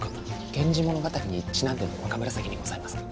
源氏物語にちなんでの若紫にございますか？